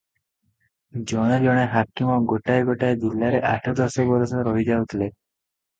ଜଣେ ଜଣେ ହାକିମ ଗୋଟାଏ ଗୋଟାଏ ଜିଲ୍ଲାରେ ଆଠ ଦଶ ବରଷ ରହି ଯାଉଥିଲେ ।